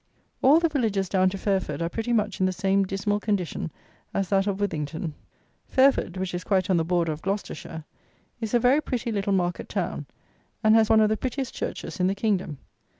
All the villages down to Fairford are pretty much in the same dismal condition as that of Withington. Fairford, which is quite on the border of Gloucestershire, is a very pretty little market town, and has one of the prettiest churches in the kingdom.